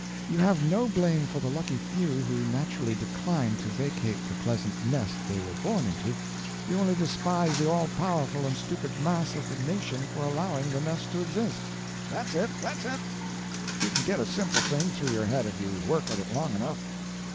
You have no blame for the lucky few who naturally decline to vacate the pleasant nest they were born into, you only despise the all powerful and stupid mass of the nation for allowing the nest to exist." "That's it, that's it! You can get a simple thing through your head if you work at it long enough."